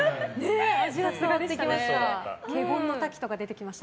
味が伝わってきました。